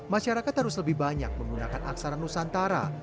masyarakat harus lebih banyak menggunakan aksara nusantara